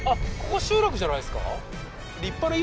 ここ集落じゃないですか？